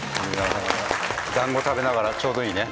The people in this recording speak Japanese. だんご食べながらちょうどいいね。